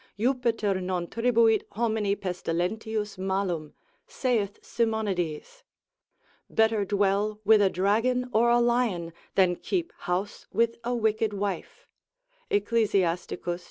Jupiter non tribuit homini pestilentius malum, saith Simonides: better dwell with a dragon or a lion, than keep house with a wicked wife, Ecclus.